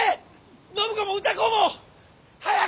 暢子も歌子も！早く！